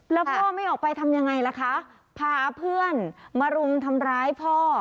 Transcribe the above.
แล้วพ่อไม่ออกไปทำยังไงล่ะคะพาเพื่อนมารุมทำร้ายพ่อ